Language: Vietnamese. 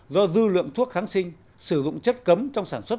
do dư lượng thuốc kháng sinh sử dụng chất cấm trong sản xuất